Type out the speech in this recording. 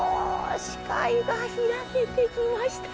視界が開けてきましたよ。